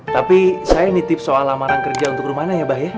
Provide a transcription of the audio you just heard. tapi saya nitip soal lamaran kerja untuk rumahnya ya bah ya